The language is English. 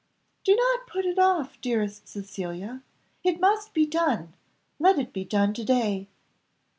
"Do not put it off, dearest Cecilia. It must be done let it be done to day."